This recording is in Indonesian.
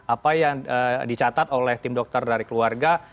apa yang dicatat oleh tim dokter dari keluarga